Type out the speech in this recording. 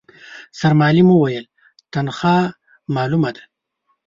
سرمعلم وويل، تنخوا مالومه ده.